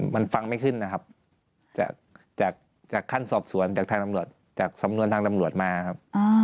มันฟังไม่ขึ้นนะครับจากขั้นสอบสวนจากทางตำรวจจากสำนวนทางตำรวจมาครับ